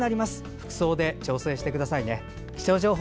服装で調節してください。